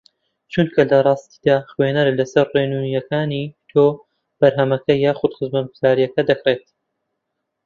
چونکە لەڕاستیدا خوێنەر لەسەر ڕێنوینییەکانی تۆ بەرهەمەکە یاخوود خزمەتگوزارییەکە دەکڕێت